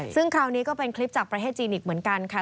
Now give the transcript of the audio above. ซึ่งคราวนี้ก็เป็นคลิปจากประเทศจีนิกเหมือนกันค่ะ